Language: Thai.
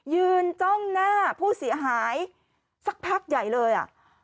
จ้องหน้าผู้เสียหายสักพักใหญ่เลยอ่ะ